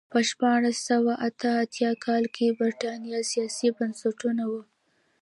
په شپاړس سوه اته اتیا کال کې برېټانیا سیاسي بنسټونه وو.